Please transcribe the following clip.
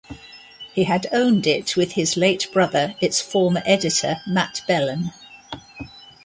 He had owned it with his late brother its former editor, Matt Bellan.